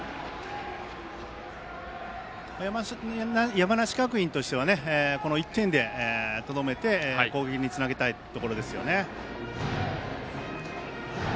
山梨学院としてはこの１点で、とどめて攻撃につなげたいところですよね。